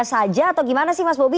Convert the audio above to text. biasa aja atau gimana sih mas bobi